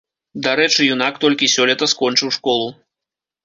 Дарэчы, юнак толькі сёлета скончыў школу.